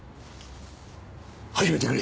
始めてくれ！